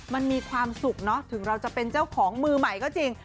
มันมีความสุขเนอะถึงเราจะเป็นเจ้าของมือใหม่ก็จริง